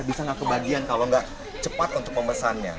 bisa nggak kebagian kalau nggak cepat untuk memesannya